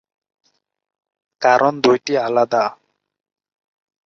কারণ দুইটি আলাদা।